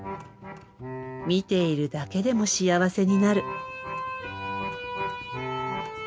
見ているだけでも幸せになる。